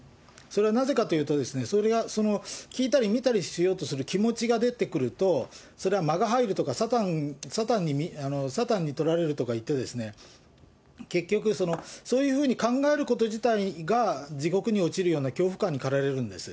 それはなぜかというと、聞いたり見たりしようとする気持ちが出てくると、それは魔が入るとか、サタンにとられるとかいってですね、結局そういうふうに考えること自体が、地獄におちるような恐怖感にかられるんです。